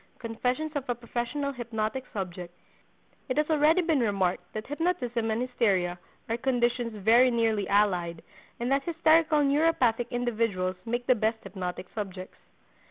—Confessions of a Professional Hypnotic Subject. It has already been remarked that hypnotism and hysteria are conditions very nearly allied, and that hysterical neuropathic individuals make the best hypnotic subjects.